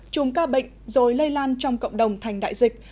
chùm ca bệnh rồi lây lan trong cộng đồng thành đại dịch